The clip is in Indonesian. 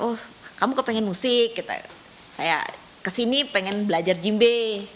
oh kamu kepengen musik saya kesini pengen belajar jimbe